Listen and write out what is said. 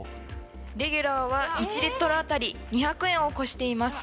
レギュラーは１リットル当たり２００円を超しています。